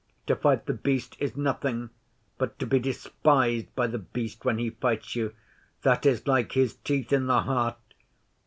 To fight The Beast is nothing, but to be despised by The Beast when he fights you that is like his teeth in the heart!